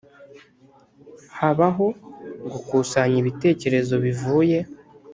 habaho gukusanya ibitekerezo bivuye